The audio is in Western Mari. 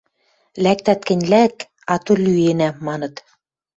Лӓктӓт гӹнь, лӓк, ато – лӱэна! – маныт.